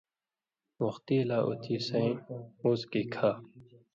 وختی لا اُتھی سَیں وُڅکی کھا